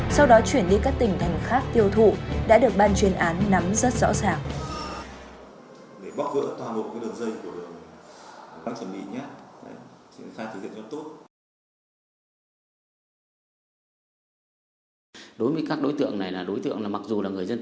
sau đó chuyển đi các tỉnh thành khác tiêu thụ đã được ban chuyên án nắm rất rõ ràng